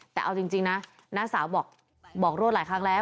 แต่เอาจริงนะน้าสาวบอกรวดหลายครั้งแล้ว